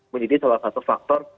menjadi salah satu faktor